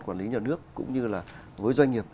quản lý nhà nước cũng như là với doanh nghiệp